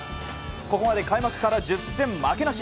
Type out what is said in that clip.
ここまで開幕から１０戦負けなし。